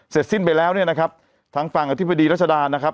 เสร็จสิ้นไปแล้วเนี่ยนะครับทางฝั่งอธิบดีรัชดานะครับ